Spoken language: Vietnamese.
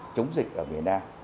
chống dịch ở việt nam